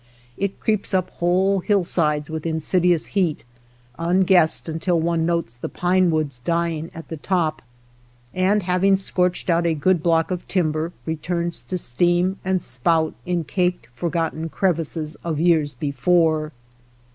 It creeps up whole hillsides with insidious 72 THE POCKET HUNTER heat, unguessed until one notes the pine woods dying at the top, and having scorched out a good block of timber returns to steam and spout in caked, forgotten crevices of years before.